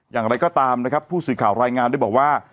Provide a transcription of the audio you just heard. อย่างไรก็ตามนะครับผู้สื่อข่าวรายงานได้บอกว่า